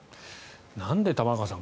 なんで玉川さん